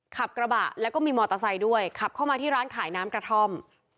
ขับกระบะแล้วก็มีมอเตอร์ไซค์ด้วยขับเข้ามาที่ร้านขายน้ำกระท่อม